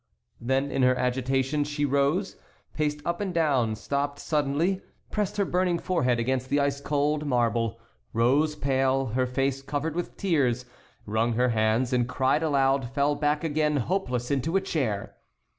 Then in her agitation she rose, paced up and down, stopped suddenly, pressed her burning forehead against the ice cold marble, rose pale, her face covered with tears, wrung her hands, and crying aloud fell back again hopeless into a chair.